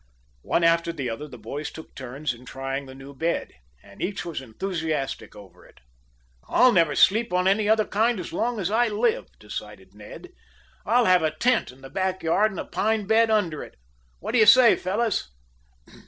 One after the other, the boys took turns in trying the new bed, and each was enthusiastic over it. "I'll never sleep on any other kind as long as I live," decided Ned. "I'll have a tent in the back yard and a pine bed under it. What do you say, fellows?"